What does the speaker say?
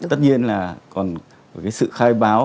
tất nhiên là còn sự khai báo